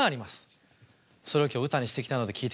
それを今日歌にしてきたので聴いてください。